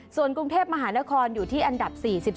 ส่วนกรุงเทพมหานครอยู่ที่อันดับ๔๒